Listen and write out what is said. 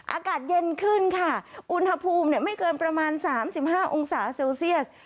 อากาศเย็นขึ้นค่ะอุณหภูมิไม่เกินประมาณ๓๕องศาเซลเซียส